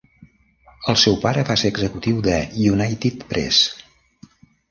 El seu pare va ser executiu de United Press.